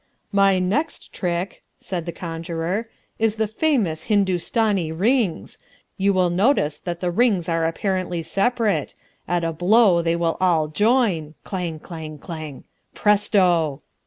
"My next trick," said the conjurer, "is the famous Hindostanee rings. You will notice that the rings are apparently separate; at a blow they all join (clang, clang, clang) Presto!"